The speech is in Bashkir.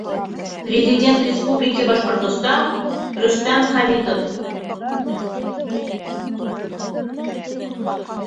Президент Республики Башкортостан Р. Хамитов